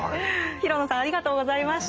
廣野さんありがとうございました。